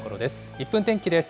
１分天気です。